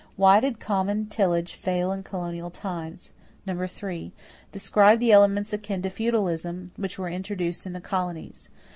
Why did common tillage fail in colonial times? 3. Describe the elements akin to feudalism which were introduced in the colonies.